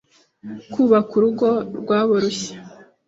Kubaka urugo rwabo rushya